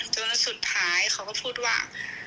จนสุดท้ายเขาก็พูดว่า